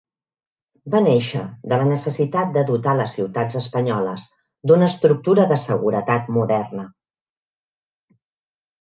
Va néixer de la necessitat de dotar les ciutats espanyoles d'una estructura de seguretat moderna.